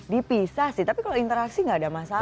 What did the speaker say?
dipisah sih tapi kalau interaksi nggak ada masalah